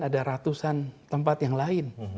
ada ratusan tempat yang lain